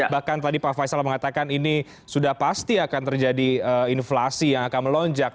bahkan tadi pak faisal mengatakan ini sudah pasti akan terjadi inflasi yang akan melonjak